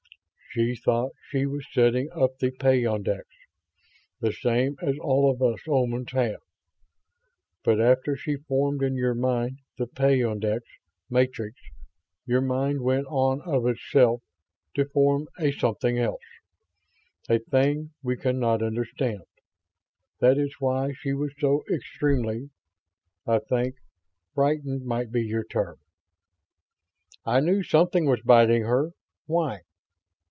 '" "She thought she was setting up the peyondix, the same as all of us Omans have. But after she formed in your mind the peyondix matrix, your mind went on of itself to form a something else; a thing we can not understand. That was why she was so extremely ... I think 'frightened' might be your term." "I knew something was biting her. Why?"